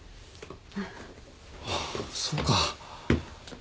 あっそうか。